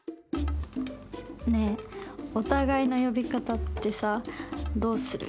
ねえお互いの呼び方ってさどうする？